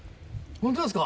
ホントですか？